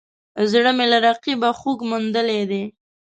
زړه مې له رقیبه خوږ موندلی دی